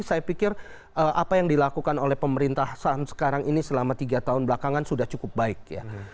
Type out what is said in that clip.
saya pikir apa yang dilakukan oleh pemerintahan sekarang ini selama tiga tahun belakangan sudah cukup baik ya